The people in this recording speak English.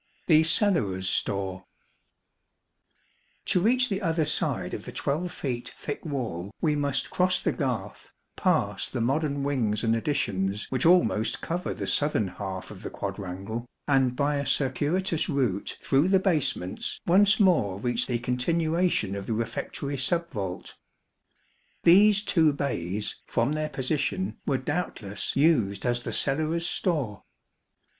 30 The Cellarer's Store. To reach the other side of the 12 feet thick wall we must cross the garth, pass the modern wings and additions which almost cover the southern half of the quadrangle, and by a circuitous route through the basements once more reach the continuation of the refectory sub vault. These two bays from their position were doubtless used as the Cellarer's store.